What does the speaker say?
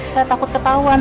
saya takut ketahuan